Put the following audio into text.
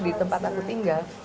di tempat aku tinggal